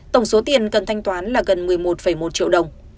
tổng số tiền cần thanh toán là gần một mươi một một triệu đồng